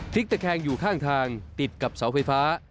ตะแคงอยู่ข้างทางติดกับเสาไฟฟ้า